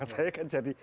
saya kan jadi